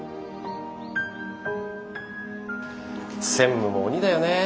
専務も鬼だよね。